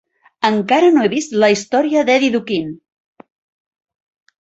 Encara no he vist "La història d'Eddy Duchin"!